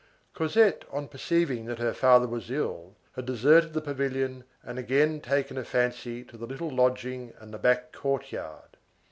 Cosette on perceiving that her father was ill, had deserted the pavilion and again taken a fancy to the little lodging and the back courtyard.